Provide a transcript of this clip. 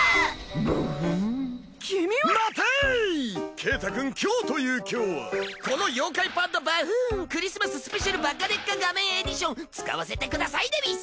ケータくん今日という今日はこの妖怪パッドばふんクリスマス・スペシャルバッカデカ画面エディション使わせてくださいでうぃす！